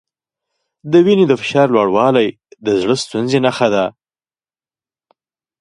د وینې د فشار لوړوالی د زړۀ ستونزې نښه ده.